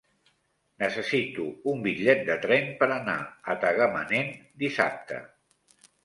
Necessito un bitllet de tren per anar a Tagamanent dissabte.